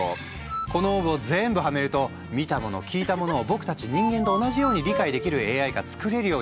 このオーブを全部はめると見たもの聞いたものを僕たち人間と同じように理解できるＡＩが作れるようになるんだって。